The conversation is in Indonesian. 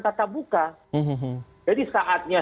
tata buka jadi saatnya